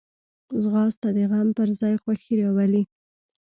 ځغاسته د غم پر ځای خوښي راولي